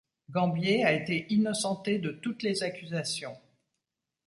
Gambier a été innocenté de toutes les accusations.